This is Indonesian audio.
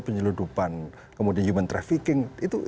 penyeludupan human trafficking dan lain lain